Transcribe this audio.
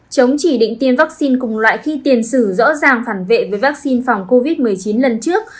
chống chỉ định tiêm vaccine cùng loại khi tiền sử rõ ràng phản vệ với vaccine phòng covid một mươi chín lần trước